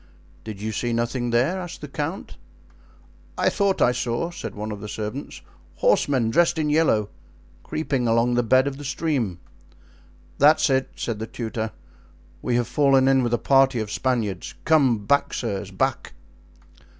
"Did you see nothing there?" asked the count. "I thought I saw," said one of the servants, "horsemen dressed in yellow, creeping along the bed of the stream. "That's it," said the tutor. "We have fallen in with a party of Spaniards. Come back, sirs, back."